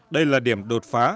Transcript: đây là điểm đột phá